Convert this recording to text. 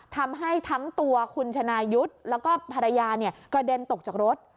ทำให้ทั้งตัวคุณชนายุทธ์แล้วก็ภรรยากระเด็นตกจากรถ